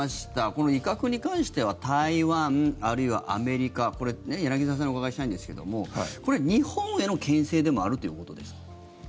この威嚇に関しては台湾あるいはアメリカこれ、柳澤さんにお伺いしたいんですけどもこれ、日本へのけん制でもあるということですか。